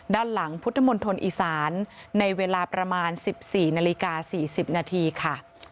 ด้านหลังพุทธมณฑลอีสานในเวลาประมาณ๑๔นาฬิกา๔๐นาทีค่ะ